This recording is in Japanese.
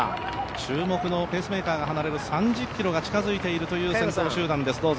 注目のペースメーカーが離れる３０ｋｍが近づいている先頭集団です。